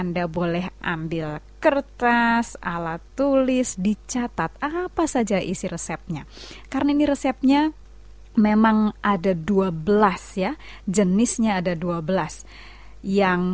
dalam bahasa indonesia adalah cairan